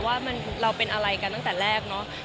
ว่าเราเป็นอะไรกันตั้งแต่แรกเนอะ